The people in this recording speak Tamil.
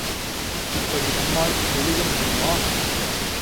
இப்படியும் நம்மால் எழுத முடியுமா?